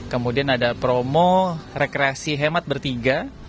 kemudian ada promo rekreasi hemat bertiga